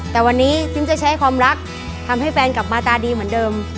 แต่วันนี้ซิมจะใช้ความรักทำให้แฟนกลับมาตาดีเหมือนเดิม